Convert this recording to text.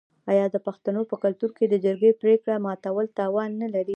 آیا د پښتنو په کلتور کې د جرګې پریکړه ماتول تاوان نلري؟